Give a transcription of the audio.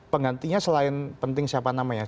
penggantinya selain penting siapa namanya